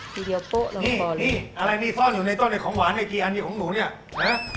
ทีเดียวปุ๊ะเราก็บอรี่นี่อะไรนี่ซ่อนอยู่ในต้นไอ้ของหวานไอ้กี่อันไอ้ของหนูเนี่ย